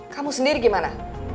kamu sendiri gimana